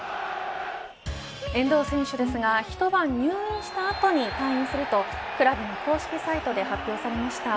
遠藤選手ですが一晩入院した後に退院すると、クラブの公式サイトで発表されました。